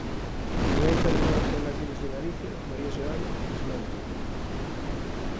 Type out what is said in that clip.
A presidenta de Nuevas Generaciones de Galicia, María Seoane, desménteo